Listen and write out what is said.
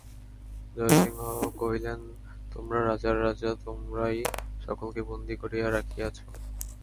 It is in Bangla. জয়সিংহ কহিলেন, তোমরা রাজার রাজা, তোমরাই সকলকে বন্দী করিয়া রাখিয়াছ।